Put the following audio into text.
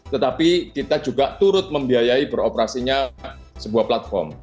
tetapi kita juga turut membiayai beroperasinya sebuah platform